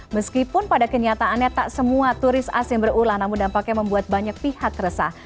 meskipun pada kenyataannya tak semua turis asing berulang namun dampaknya membuat banyak pihak resah